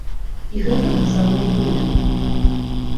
І гэта таксама аргумент.